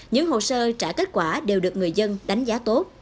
những hồ sơ trả kết quả đều được người dân đánh giá tốt